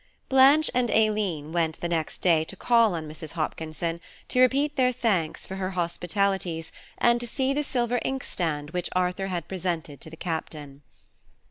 Blanche and Aileen went the next day to call on Mrs. Hopkinson, to repeat their thanks for her hospitalities, and to see the silver inkstand which Arthur had presented to the Captain.